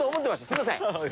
すいません。